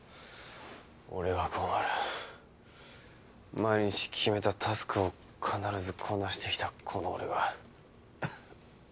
毎日決めたタスクを必ずこなしてきたこの俺が。